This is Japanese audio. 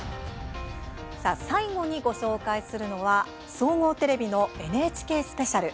最後にご紹介するのは総合テレビのＮＨＫスペシャル。